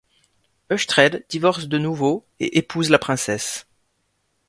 Uchtred divorce de nouveau et épouse la princesse.